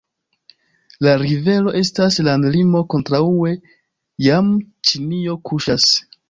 La rivero estas landlimo, kontraŭe jam Ĉinio kuŝas.